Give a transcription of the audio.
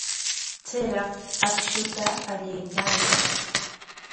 Chayraq akshuta allaykaayaa.